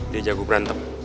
dia jago berantem